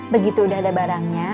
begitu udah ada barangnya